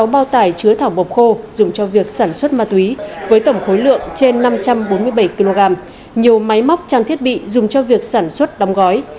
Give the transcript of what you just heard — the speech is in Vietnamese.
sáu bao tải chứa thảo mộc khô dùng cho việc sản xuất ma túy với tổng khối lượng trên năm trăm bốn mươi bảy kg nhiều máy móc trang thiết bị dùng cho việc sản xuất đóng gói